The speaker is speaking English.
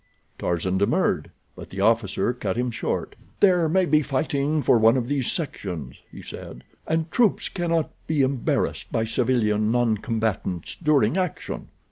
Tarzan demurred, but the officer cut him short. "There may be fighting for one of these sections," he said, "and troops cannot be embarrassed by civilian noncombatants during action."